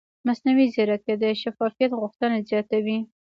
مصنوعي ځیرکتیا د شفافیت غوښتنه زیاتوي.